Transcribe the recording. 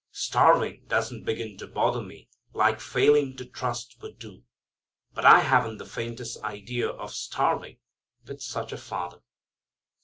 Starving doesn't begin to bother me like failing to trust would do. But I haven't the faintest idea of starving with such a Father."